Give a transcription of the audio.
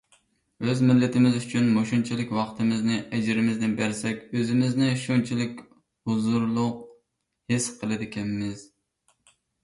ئۆز مىللىتىمىز ئۈچۈن مۇشۇنچىلىك ۋاقتىمىزنى، ئەجرىمىزنى بەرسەك، ئۆزىمىزنى شۇنچىلىك ھۇزۇرلۇق ھېس قىلىدىكەنمىز.